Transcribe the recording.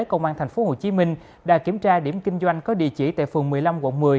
công an tp hcm đã kiểm tra điểm kinh doanh có địa chỉ tại phường một mươi năm quận một mươi